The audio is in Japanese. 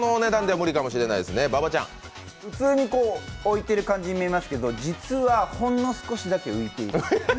普通に置いてる感じに見えますけど実はほんの少しだけ浮いている。